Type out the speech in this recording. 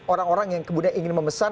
orang orang yang kemudian ingin memesan